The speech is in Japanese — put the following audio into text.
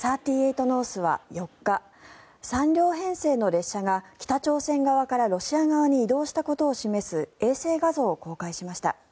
ノースは４日３両編成の列車が北朝鮮側からロシア側に移動したことを示す衛星画像を公開しました。